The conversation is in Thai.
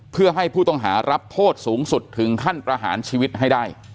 เพื่อให้ผู้ต้องหารับโทษสูงสุดถึงขั้นประหารชีวิตให้ได้